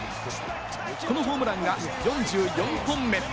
このホームランが４４本目。